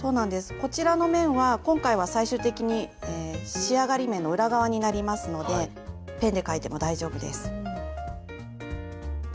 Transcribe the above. こちらの面は今回は最終的に仕上がり面の裏側になりますのでペンで描いても大丈夫です。